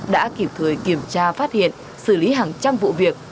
đã kịp thời kiểm tra phát hiện xử lý hàng trăm vụ việc